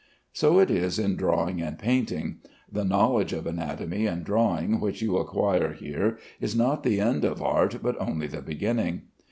So it is in drawing and painting. The knowledge of anatomy and drawing which you acquire here is not the end of art, but only the beginning.